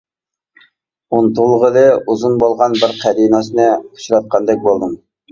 ئۇنتۇلغىلى ئۇزۇن بولغان بىر قەدىناسنى ئۇچراتقاندەك بولدۇم.